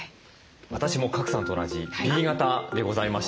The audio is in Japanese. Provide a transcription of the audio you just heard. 私も賀来さんと同じＢ型でございました。